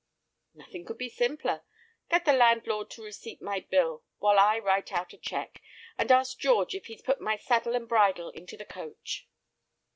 "Nothing could be simpler. Get the landlord to receipt my bill while I write out a cheque, and ask George if he's put my saddle and bridle into the coach."